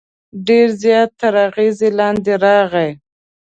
ډېر زیات تر اغېز لاندې راغی.